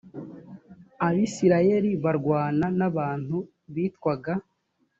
abisirayeli barwanaga n abantu bitwaga